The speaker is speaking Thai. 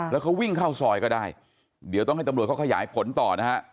แล้วเขาวิ่งเข้าซอยก็ได้เดี๋ยวต้องให้ตำรวจเขาขยายผลต่อนะฮะ